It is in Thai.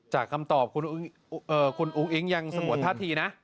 จากคำตอบคุณอุ๊งอิงยังสะกดท่าทีนะ